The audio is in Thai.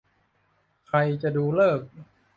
ใครจะดูฤกษ์